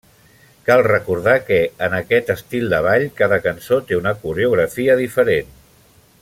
Cal recordar que, en aquest estil de ball, cada cançó té una coreografia diferent.